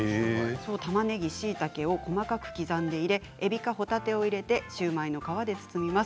たまねぎ、しいたけを細かく刻んで入れて、鶏かほたてを入れてシューマイの皮に包みます。